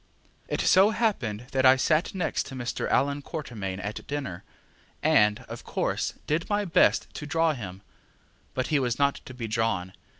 It so happened that I sat next to Mr. Allan Quatermain at dinner, and, of course, did my best to draw him; but he was not to be drawn.